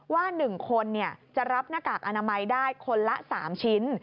ว่า๑คนจะรับหน้ากากอนามัยได้คนละ๓ชิ้น